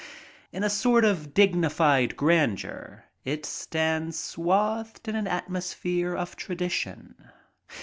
In a sort of dignified grandeui^ it stands swathed in an atmosphere of tradition.